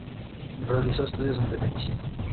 Realizó estudios de Medicina.